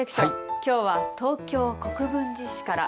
きょうは東京国分寺市から。